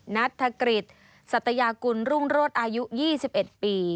นัทธกฤษสัตยากุลรุ่งโรศอายุ๒๑ปี